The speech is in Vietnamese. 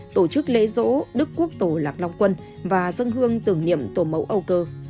tổ chức lễ dỗ đức quốc tổ lạc long quân và dân hương tưởng niệm tổ mẫu âu cơ